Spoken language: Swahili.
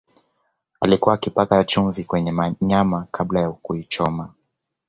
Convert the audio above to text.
alikuwa akipaka chumvi kwenye nyama kabla ya kuichoma